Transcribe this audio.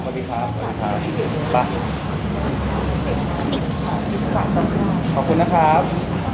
สวัสดีครับสวัสดีครับสวัสดีครับ